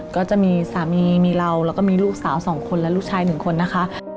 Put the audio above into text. ก็จะมีสามีมีเราแล้วก็มีลูกสาว๒คนและลูกชาย๑คนนะคะ